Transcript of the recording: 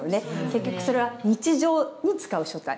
結局それは日常に使う書体。